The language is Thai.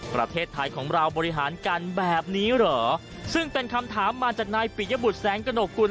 ประเทศไทยของเราบริหารกันแบบนี้เหรอซึ่งเป็นคำถามมาจากนายปิยบุตรแสงกระหนกกุล